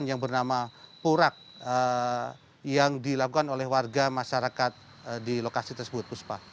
yang bernama purak yang dilakukan oleh warga masyarakat di lokasi tersebut puspa